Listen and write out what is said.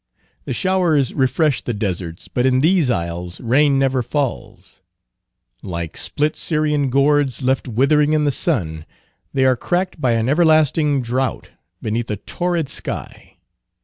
The showers refresh the deserts; but in these isles, rain never falls. Like split Syrian gourds left withering in the sun, they are cracked by an everlasting drought beneath a torrid sky.